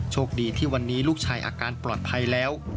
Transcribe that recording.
โชคดีที่วันนี้ลูกชายอาการปลอดภัยแล้ว